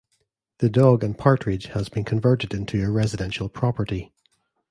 The Dog and Partridge has been converted into a residential property.